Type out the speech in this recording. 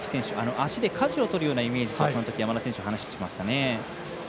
足でかじを取るようなイメージと山田選手、話してました。